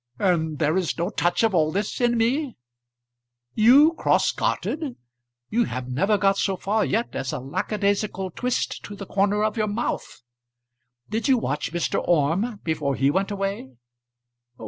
"And there is no touch of all this in me?" "You cross gartered! You have never got so far yet as a lack a daisical twist to the corner of your mouth. Did you watch Mr. Orme before he went away?"